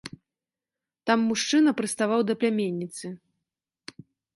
Там мужчына прыставаў да пляменніцы.